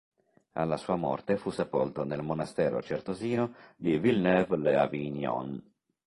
Alla sua morte fu sepolto nel monastero certosino di Villeneuve-les-Avignon.